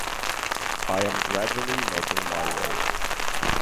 I am gradually making my way.